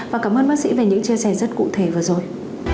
và cảm ơn bác sĩ về những chia sẻ rất cụ thể vừa rồi